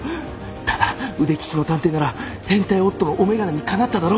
ただ腕利きの探偵なら変態夫のお眼鏡にかなっただろ。